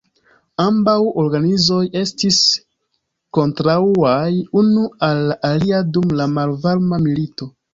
Ambaŭ organizoj estis kontraŭaj unu al la alia dum la malvarma milito.